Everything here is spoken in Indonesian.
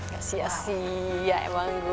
kasiasi ya emang gue